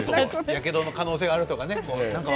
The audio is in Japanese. やけどの可能性があるとかね。